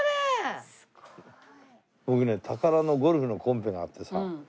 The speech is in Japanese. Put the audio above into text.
僕ねタカラのゴルフのコンペがあってさ。